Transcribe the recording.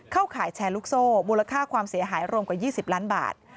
ขายแชร์ลูกโซ่มูลค่าความเสียหายรวมกว่า๒๐ล้านบาท